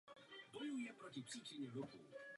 Na začátku války působil u průzkumné letky.